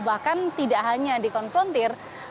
bahkan tidak hanya dikonfrontir